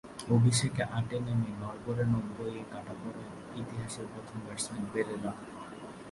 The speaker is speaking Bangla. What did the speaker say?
অভিষেকে আটে নেমে নড়বড়ে নব্বইয়ে কাটা পড়া ইতিহাসের প্রথম ব্যাটসম্যান পেরেরা।